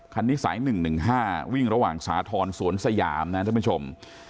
คันนี้สายหนึ่งหนึ่งห้าวิ่งระหว่างสาธรณสวนสยามนะครับท่านผู้ชม